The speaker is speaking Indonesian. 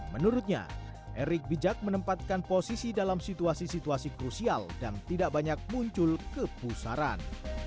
menurutnya erik bijak menempatkan posisi dalam situasi situasi krusial dan tidak banyak muncul kepusaran